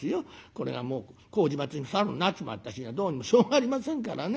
これがもう麹町のサルになっちまった日にはどうにもしょうがありませんからね。